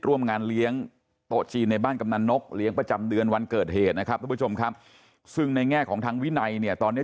ร่วมงานเลี้ยงโต๊ะจีนในบ้านกำนันนกเลี้ยงประจำเดือนวันเกิดเหตุนะครับทุกผู้ชมครับซึ่งในแง่ของทางวินัยเนี่ยตอนนี้